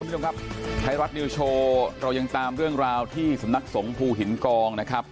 คุณผู้ชมครับไทยรัฐนิวโชว์เรายังตามเรื่องราวที่สำนักสงภูหินกองนะครับ